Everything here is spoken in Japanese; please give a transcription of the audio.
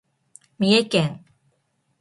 三重県